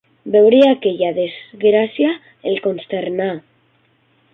Veure aquella desgràcia el consternà.